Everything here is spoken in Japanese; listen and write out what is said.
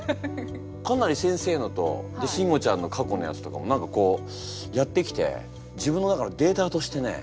かなり先生のとシンゴちゃんの過去のやつとかも何かこうやってきて自分の中のデータとしてね